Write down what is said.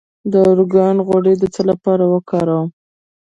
د ارګان غوړي د څه لپاره وکاروم؟